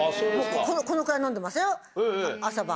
このくらい飲んでますよ朝晩。